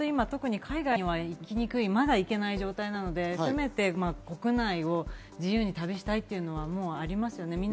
特に今、海外にはまだ行けない状態なので、せめて国内は自由に旅したいっていうのはありますよね。